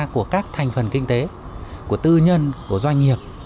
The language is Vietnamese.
của các thành phần kinh tế của tư nhân của doanh nghiệp